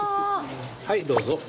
はいどうぞ。